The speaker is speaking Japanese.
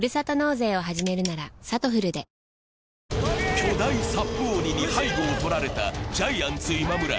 巨大サップ鬼に背後をとられたジャイアンツ・今村。